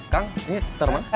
kang ini terma